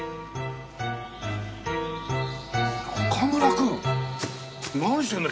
中村くん。何してるんだ？